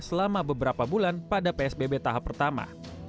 selama beberapa bulan pada psbb tahap pertama